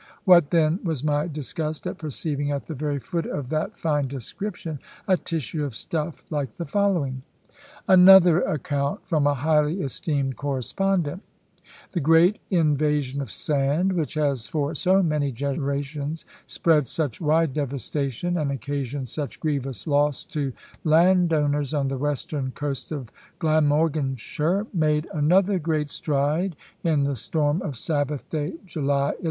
What, then, was my disgust at perceiving, at the very foot of that fine description, a tissue of stuff like the following! "Another account [from a highly esteemed correspondent]. The great invasion of sand, which has for so many generations spread such wide devastation, and occasioned such grievous loss to landowners on the western coast of Glamorganshire, made another great stride in the storm of Sabbath day, July 11.